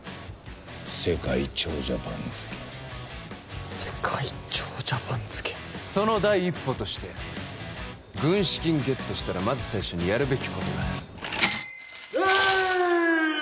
世界長者番付世界長者番付その第一歩として軍資金ゲットしたらまず最初にやるべきことがあるウェーイ！